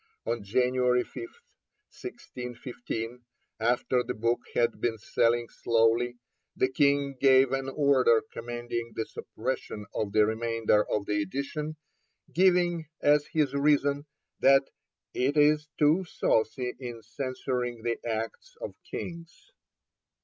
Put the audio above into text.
On January 5, 1615, after the book had been selling slowly, the King gave an order commanding the suppression of the remainder of the edition, giving as his reason that 'it is too saucy in censuring the acts of kings.'